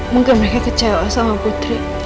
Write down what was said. mungkin mereka kecewa sama putri